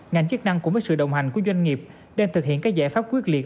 ngành chức năng cùng với sự đồng hành của doanh nghiệp đang thực hiện các giải pháp quyết liệt